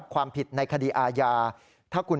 เพราะว่ามีทีมนี้ก็ตีความกันไปเยอะเลยนะครับ